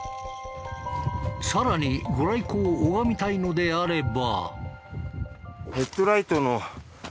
更にご来光を拝みたいのであれば。